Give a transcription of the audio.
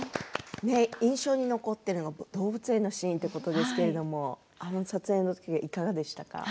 印象に残っているのが動物園のシーンということでしたけれどもあの撮影の時いかがでしたか？